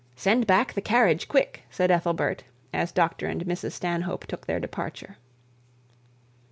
'Send back the carriage quick,' said Ethelbert, as Dr and Mrs Stanhope took their departure.